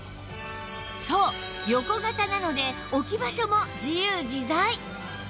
そう横型なので置き場所も自由自在